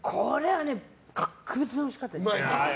極上においしかったです。